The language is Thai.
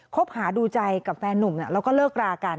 คบหาดูใจกับแฟนนุ่มแล้วก็เลิกรากัน